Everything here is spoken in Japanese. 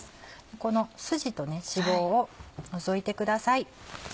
ここのスジと脂肪を除いてください。